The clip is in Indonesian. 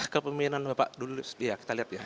kepemimpinan bapak dulu ya kita lihat ya